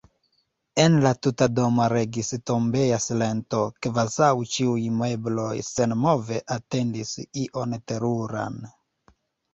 En la tuta domo regis tombeja silento, kvazaŭ ĉiuj mebloj senmove atendis ion teruran.